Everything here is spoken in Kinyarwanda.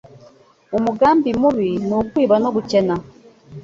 Umugambi mubi ni ukwiba no gukena